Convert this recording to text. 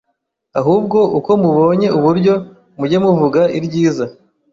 ahubwo uko mubonye uburyo mujye muvuga iryiza